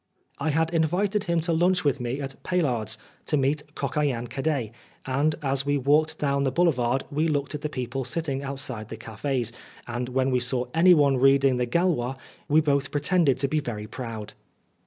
* I had invited him to lunch with me at Paillard's, to meet Coquelin cadet, and as we walked down the boulevard we looked at the people sitting outside the cafes, and when we saw anyone reading the Gaulois we both pretended to be very proud.